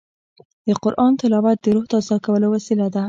د قرآن تلاوت د روح تازه کولو وسیله ده.